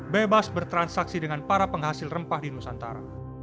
bebas bertransaksi dengan para penghasil rempah di nusantara